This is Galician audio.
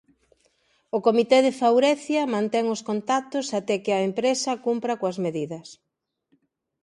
O comité de Faurecia mantén os contactos até que a empresa cumpra coas medidas.